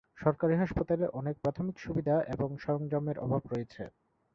সরকারি হাসপাতালে অনেক প্রাথমিক সুবিধা এবং সরঞ্জামের অভাব রয়েছে।